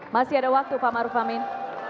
terima kasih pak maruf amin